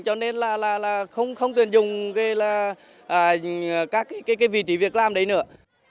cho nên là không tuyển dụng các vị trí việc làm đấy nữa